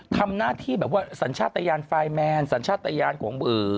ทำหน้าที่แบบว่าสัญชาติยานไฟล์แมนสัญชาติยานของ